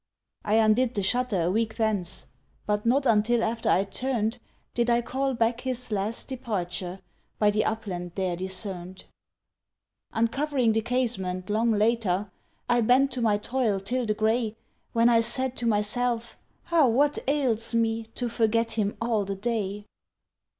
I undid the shutter a week thence, But not until after I'd turned Did I call back his last departure By the upland there discerned. Uncovering the casement long later, I bent to my toil till the gray, When I said to myself, "Ah—what ails me, To forget him all the day!"